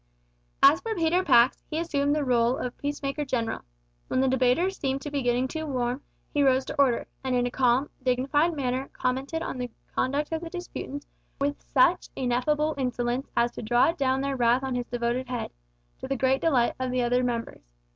As for Peter Pax, he assumed the role of peacemaker general. When the debaters seemed to be getting too warm, he rose to order; and, in a calm dignified manner, commented on the conduct of the disputants with such ineffable insolence as to draw down their wrath on his devoted head to the great delight of the other members.